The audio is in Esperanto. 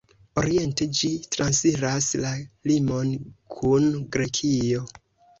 Oriente ĝi transiras la limon kun Grekio.